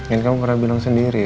in kamu pernah bilang sendiri